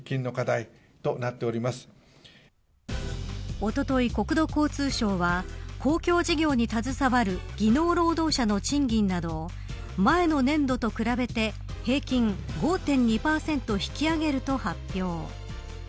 おととい、国土交通省は公共事業に携わる技能労働者の賃金などを前の年度と比べて平均５．２％引き上げると発表。